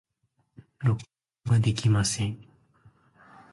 録音ができません。